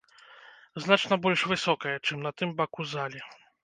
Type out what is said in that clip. Значна больш высокае, чым на тым баку залі.